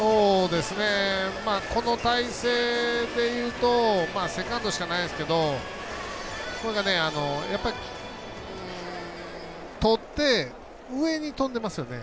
この体勢でいうとセカンドしかないんですけどやっぱりとって上に飛んでますよね。